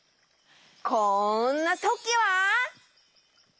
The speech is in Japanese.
こんなときは！